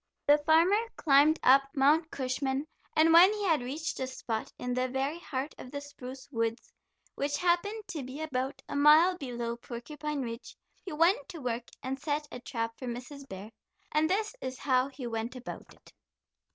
The farmer climbed up Mount Cushman, and when he had reached a spot in the very heart of the spruce woods, which happened to be about a mile below Porcupine Ridge, he went to work and set a trap for Mrs. Bear, and this is how he went about it.